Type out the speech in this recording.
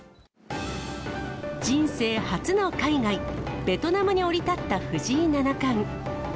人生初の海外、ベトナムに降り立った藤井七冠。